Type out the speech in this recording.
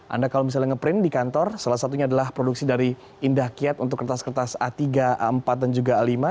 anda kalau misalnya nge print di kantor salah satunya adalah produksi dari indah kiat untuk kertas kertas a tiga a empat dan juga a lima